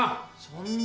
そんな。